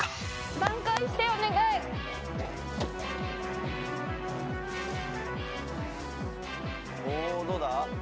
挽回してお願いおおーどうだ？